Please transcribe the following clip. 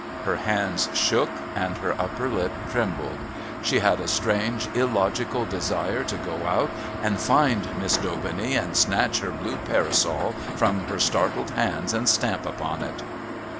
Her hands shook and her upper lip trembled. She had a strange illogical desire to go out and find Miss Daubeney and snatch her blue parasol from her startled hands and stamp upon it.